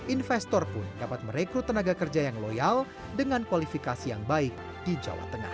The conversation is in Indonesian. investor pun dapat merekrut tenaga kerja yang loyal dengan kualifikasi yang baik di jawa tengah